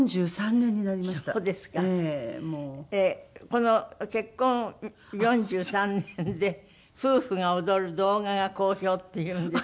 この結婚４３年で夫婦が踊る動画が好評っていうんですけど。